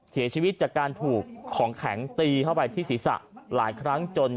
เสียชีวิตจากการถูกของแข็งตีเข้าไปที่ศีรษะหลายครั้งจน